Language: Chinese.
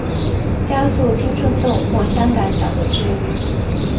加速青春痘或香港脚的治愈。